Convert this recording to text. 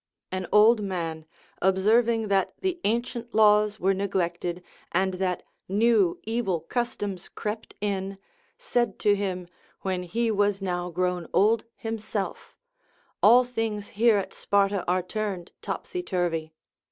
An old man, ob serving that the ancient laws were neglected and that new evil customs crept in, said to him, when he was now grown old himself, All things here at Sparta are turned topsy turvy.